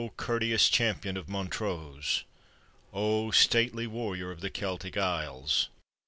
courteous champion of Montrose ! Oh ! stately warrior of the Keltic Isles